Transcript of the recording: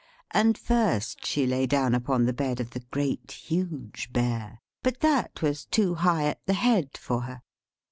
And first she lay down on the bed of the Great, Huge Bear, but that was too high at the head for her.